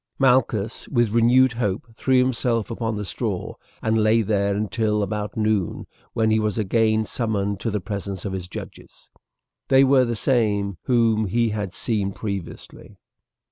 Malchus with renewed hope threw himself upon the straw, and lay there until about noon when he was again summoned to the presence of his judges. They were the same whom he had seen previously.